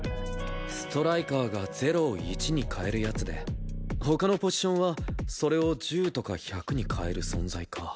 ストライカーが０を１に変える奴で他のポジションはそれを１０とか１００に変える存在か。